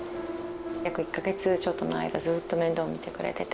約１か月ちょっとの間ずっと面倒を見てくれてて。